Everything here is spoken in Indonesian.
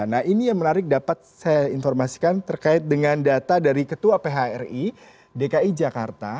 nah ini yang menarik dapat saya informasikan terkait dengan data dari ketua phri dki jakarta